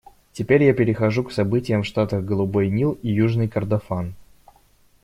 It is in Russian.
Теперь я перехожу к событиям в штатах Голубой Нил и Южный Кордофан.